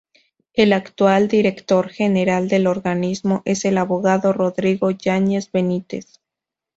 El actual director general del organismo es el abogado Rodrigo Yáñez Benítez.